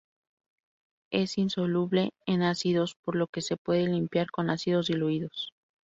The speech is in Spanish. Es insoluble en ácidos, por lo que se puede limpiar con ácidos diluidos.